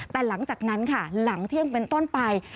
แต่หลังจากนั้นค่ะหลังเที่ยงเป็นต้นไป